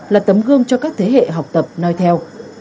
là tấm gương cho các thế hệ học tập nói theo